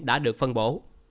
đã được phân bổ